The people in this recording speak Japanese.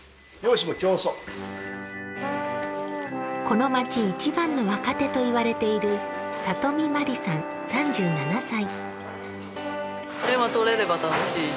この町一番の若手と言われている里見茉里さん３７歳。